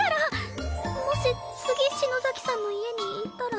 もし次篠崎さんの家に行ったら